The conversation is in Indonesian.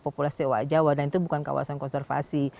populasi owa jawa dan itu bukan kawasan konservasi